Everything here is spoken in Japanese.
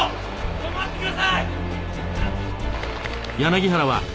止まってください！